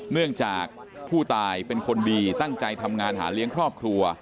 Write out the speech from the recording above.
เนื่องจากผู้ตายเป็นคนดีตั้งใจทำงานหาเลี้ยงครอบครัว